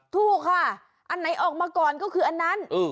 ถูกค่ะอันไหนออกมาก่อนก็คืออันนั้น